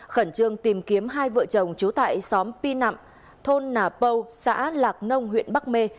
khẩn trương tìm kiếm hai vợ chồng trú tại xóm pi nặm thôn nà pâu xã lạc nông huyện bắc mê